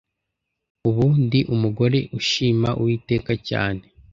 Ubu ndi umugore ushima Uwiteka cyane